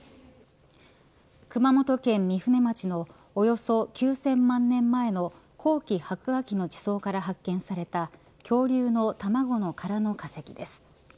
熊本県御船町のおよそ９０００万年前の後期白亜紀の地層から発見された恐竜の卵の殻の化石です。